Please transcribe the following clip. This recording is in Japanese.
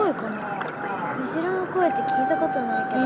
クジラの声って聞いたことないけど。